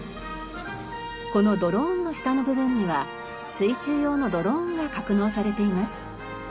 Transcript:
このドローンの下の部分には水中用のドローンが格納されています。